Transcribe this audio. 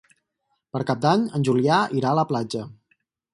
Per Cap d'Any en Julià irà a la platja.